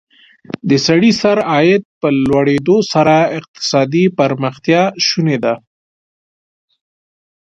د سړي سر عاید په لوړېدو سره اقتصادي پرمختیا شونې ده.